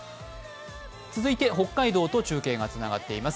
続いて北海道と中継がつながっています。